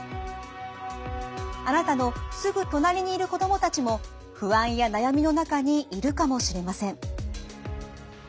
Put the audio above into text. あなたのすぐ隣にいる子どもたちも不安や悩みの中にいるかもしれません。